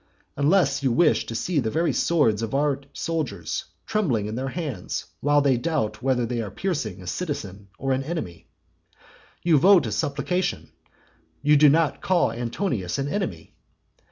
unless you wish to see the very swords of our soldiers trembling in their hands while they doubt whether they are piercing a citizen or an enemy. You vote a supplication; you do not call Antonius an enemy.